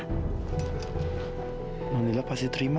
alhamdulillah pasti terima